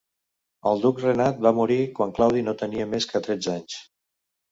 El duc Renat va morir quan Claudi no tenia més que tretze anys.